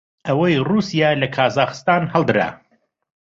ئەوەی ڕووسیا لە کازاخستان هەڵدرا